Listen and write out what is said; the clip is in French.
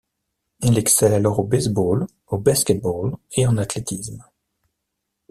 Elle excelle alors au baseball, au basketball et en athlétisme.